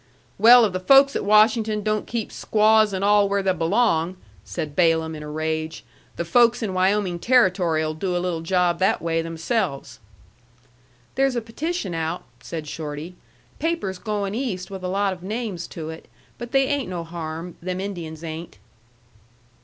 "Well, if the folks at Washington don't keep squaws and all where they belong," said Balaam, in a rage, "the folks in Wyoming Territory 'ill do a little job that way themselves." "There's a petition out," said Shorty. "Paper's goin' East with a lot of names to it. But they ain't no harm, them Indians ain't."